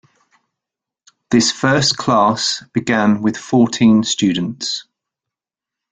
This first class began with fourteen students.